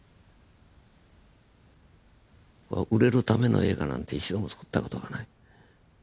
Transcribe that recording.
売れるための映画なんて一度もつくった事がない。